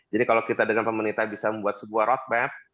jadi kalau kita dengan pemerintah bisa membuat sebuah roadmap